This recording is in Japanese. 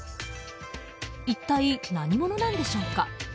一体、何者なんでしょうか。